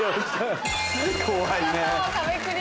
怖いね。